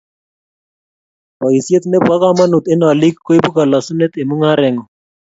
Boisiet nebo kamanut eng olik koibu kolosunet eng mung'areng'ung